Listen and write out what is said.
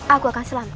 aku akan selamat